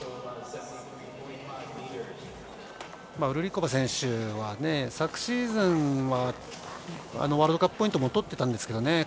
ウルリコバー選手は昨シーズンはワールドカップポイントも取っていたんですけれどもね。